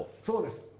そうです。